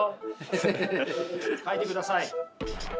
書いてください。